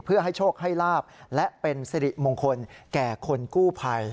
เพื่อให้โชคให้ลาบและเป็นสิริมงคลแก่คนกู้ภัย